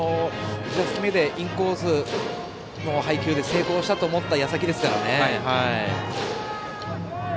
１打席目でインコースの配球で成功した矢先ですからね。